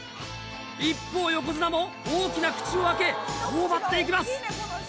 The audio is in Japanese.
一方横綱も大きな口を開け頬張っていきます。